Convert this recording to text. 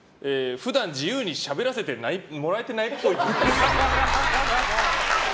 普段自由にしゃべらせてもらえてないっぽい。